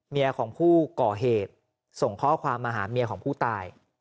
ของผู้ก่อเหตุส่งข้อความมาหาเมียของผู้ตาย